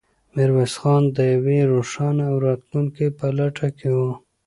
میرویس خان د یوې روښانه راتلونکې په لټه کې و.